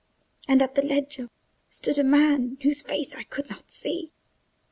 And at the leggio stood a man whose face I could not see.